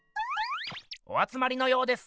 おあつまりのようです。